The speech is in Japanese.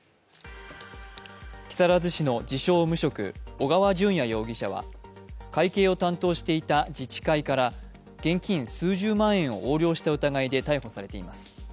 木更津市の自称・無職小川順也容疑者は会計を担当していた自治会から現金数十万円を横領した疑いで逮捕されています。